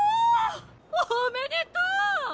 おめでとう！